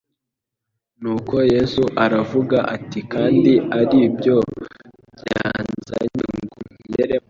Nuko Yesu aravuga ati: "Kandi ari byo byanzanye ngo nkigeremo?